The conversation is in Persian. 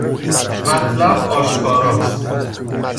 مطلب اشکاراست